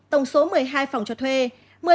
tổng số một mươi hai phòng cho thuê